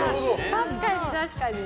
確かに、確かに。